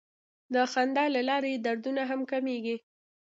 د خندا له لارې دردونه هم کمېږي.